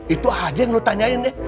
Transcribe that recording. itu aja yang lo tanyain nih